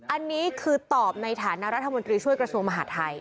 อันนี้คือตอบในฐานะรัฐมนตรีช่วยกระทรวงมหาทัย